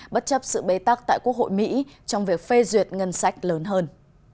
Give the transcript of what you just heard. bất chấp sự bế tắc tại quốc hội mỹ trong việc phê duyệt ngân sách lớn hơn